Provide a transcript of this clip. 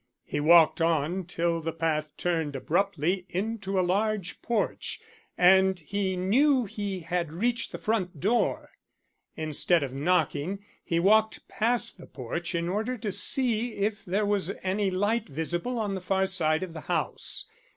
He walked on till the path turned abruptly into a large porch, and he knew he had reached the front door. Instead of knocking, he walked past the porch in order to see if there was any light visible on the far side of the house.